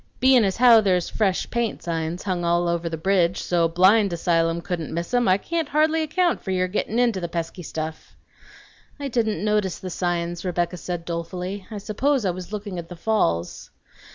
"Bein' as how there's 'Fresh Paint' signs hung all over the breedge, so 't a blind asylum couldn't miss 'em, I can't hardly account for your gettin' int' the pesky stuff." "I didn't notice the signs," Rebecca said dolefully. "I suppose I was looking at the falls."